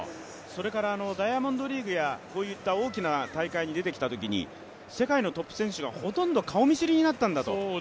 ダイヤモンドリーグやこういった大きな大会に出てきたときに世界のトップ選手がほとんど顔見知りになったんだと。